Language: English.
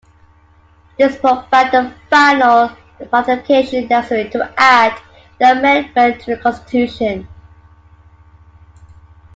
This provided the final ratification necessary to add the amendment to the Constitution.